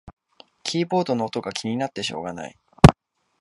キーボードの音が気になってしょうがない